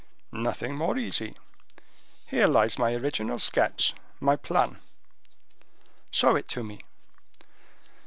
"Nothing more easy. Here lies my original sketch, my plan." "Show it me."